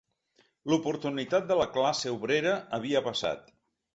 L'oportunitat de la classe obrera havia passat